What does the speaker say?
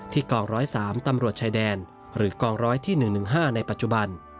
กอง๑๐๓ตำรวจชายแดนหรือกองร้อยที่๑๑๕ในปัจจุบัน